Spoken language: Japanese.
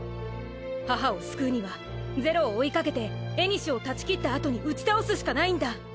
母を救うには是露を追いかけて縁を断ち切った後に打ち倒すしかないんだ！